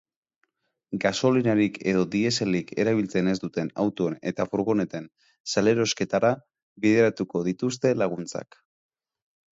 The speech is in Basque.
Gasolinarik edo dieselik erabiltzen ez duten autoen eta furgoneten salerosketara bideratuko dituzte laguntzak.